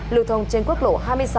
lưu thông trên quốc lộ hai mươi sáu